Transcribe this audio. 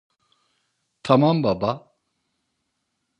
Tamam baba.